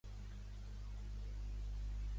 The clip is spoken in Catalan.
Tenen dos fills, el Michael i l'Erin.